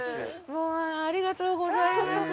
ありがとうございます